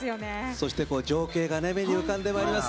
そして、情景が目に浮かんでまいります。